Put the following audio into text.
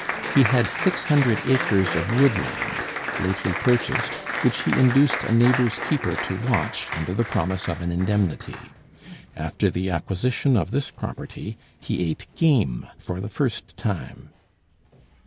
He had six hundred acres of woodland, lately purchased, which he induced a neighbor's keeper to watch, under the promise of an indemnity. After the acquisition of this property he ate game for the first time.